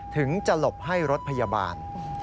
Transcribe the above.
ถึงจะหลบให้รถพยาบาล